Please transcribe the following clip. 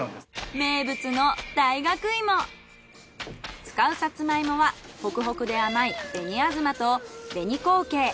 名物の使うサツマイモはホクホクで甘い紅あずまと紅こうけい。